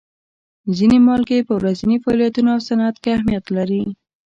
ځینې مالګې په ورځیني فعالیتونو او صنعت کې اهمیت لري.